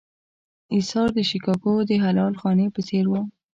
اېثار د شیکاګو د حلال خانې په څېر و.